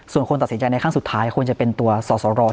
ส่วนคนตัดสินใจในครั้งสุดท้ายควรจะเป็นตัวสอสร